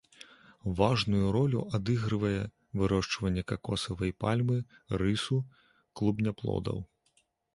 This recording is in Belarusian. Важную ролю адыгрывае вырошчванне какосавай пальмы, рысу, клубняплодаў.